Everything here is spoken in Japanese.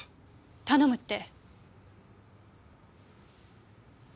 頼むって？